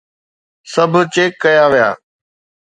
سڀ چيڪ ڪيا ويا